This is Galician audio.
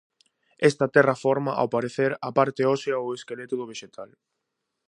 Esta terra forma, ao parecer, a parte ósea ou o esqueleto do vexetal.